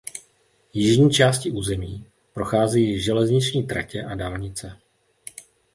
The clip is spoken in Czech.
Jižní částí území procházejí železniční tratě a dálnice.